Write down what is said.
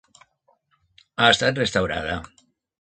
Ha estat restaurada.